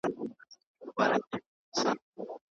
بادام د سرطان د ځینو ډولونو په وړاندې د بدن مقاومت زیاتوي.